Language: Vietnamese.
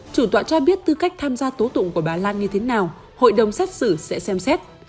chủ tọa cho biết tư cách tham gia tố tụng của bà lan như thế nào hội đồng xét xử sẽ xem xét